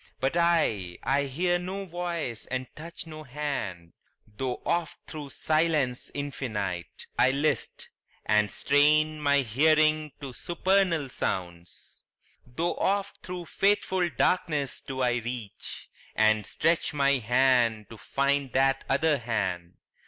But I I hear no voice and touch no hand, Tho' oft thro' silence infinite I list, And strain my hearing to supernal sounds; Tho' oft thro' fateful darkness do I reach, And stretch my hand to find that other hand.